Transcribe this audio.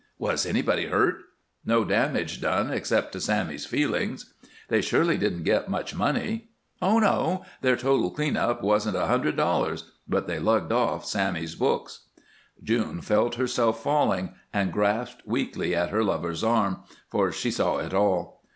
"Was anybody hurt?" "No damage done except to Sammy's feelings." "They surely didn't get much money?" "Oh, no! Their total clean up wasn't a hundred dollars; but they lugged off Sammy's books." June felt herself falling, and grasped weakly at her lover's arm, for she saw it all.